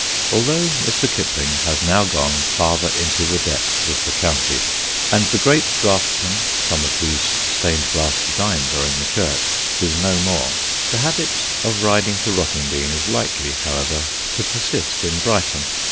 Although Mr. Kipling has now gone farther into the depths of the county, and the great draughtsman, some of whose stained glass designs are in the church, is no more, the habit of riding to Rottingdean is likely, however, to persist in Brighton.